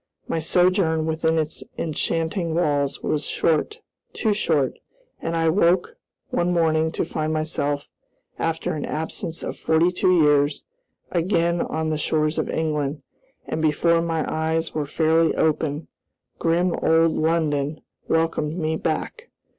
My sojourn within its enchanting walls was short, too short, and I woke one morning to find myself, after an absence of forty two years, again on the shores of England, and before my eyes were fairly open, grim old London welcomed me back.